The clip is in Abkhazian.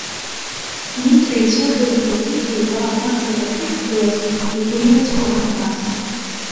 Митра, ицәажәоз дырзыӡырҩуа абарҵа дахьықәгылаз, игәы иаӡбон абас.